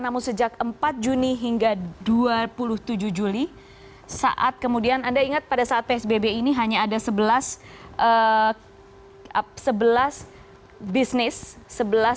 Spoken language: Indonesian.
namun sejak empat juni hingga dua puluh tujuh juli saat kemudian anda ingat pada saat psbb ini hanya ada sebelas bisnis